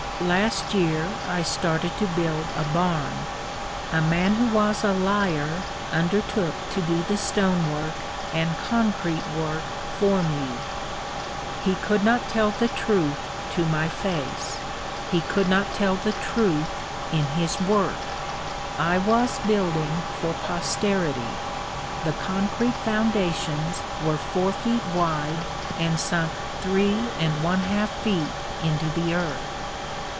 Last year I started to build a barn. A man who was a liar undertook to do the stonework and concrete work for me. He could not tell the truth to my face; he could not tell the truth in his work. I was building for posterity. The concrete foundations were four feet wide and sunk three and one half feet into the earth.